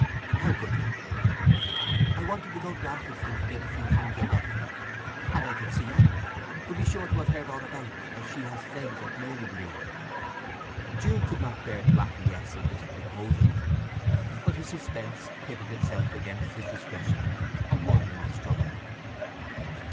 "How could you?" "I wanted to go to Alfredston to get a few things I left there. And I could see Anny, who'll be sure to have heard all about it, as she has friends at Marygreen." Jude could not bear to acquiesce in this proposal; but his suspense pitted itself against his discretion, and won in the struggle.